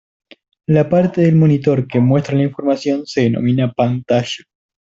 La parte del monitor que muestra la información se denomina pantalla.